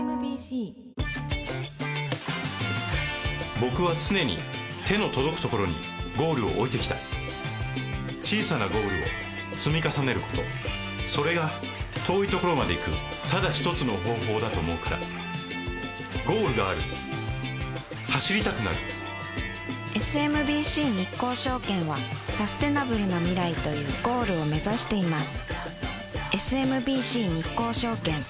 僕は常に手の届くところにゴールを置いてきた小さなゴールを積み重ねることそれが遠いところまで行くただ一つの方法だと思うからゴールがある走りたくなるＳＭＢＣ日興証券はサステナブルな未来というゴールを目指しています